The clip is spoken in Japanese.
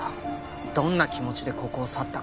どんな気持ちでここを去ったか。